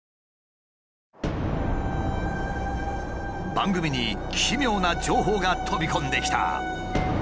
番組に奇妙な情報が飛び込んできた。